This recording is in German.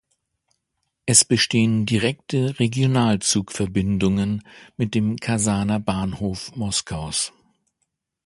Es bestehen direkte Regionalzugverbindungen mit dem Kasaner Bahnhof Moskaus.